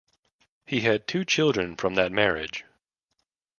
He had two children from that marriage.